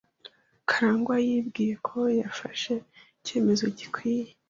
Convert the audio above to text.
Karangwa yibwiye ko yafashe icyemezo gikwiye.